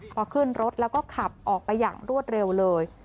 พอขึ้นรถแล้วก็ขับออกไปอย่างรวดเร็วเลย